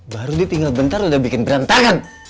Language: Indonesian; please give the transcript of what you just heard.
baru ditinggal bentar udah bikin berantakan